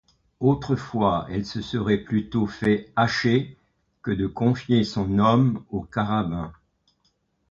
Autrefois, elle se serait plutôt fait hacher que de confier son homme aux carabins.